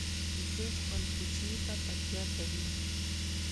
وزې خپل کوچني ته تکیه کوي